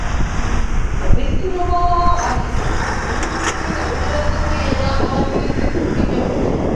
Vystudovala archivnictví na Universitě Jana Evangelisty Purkyně v Brně.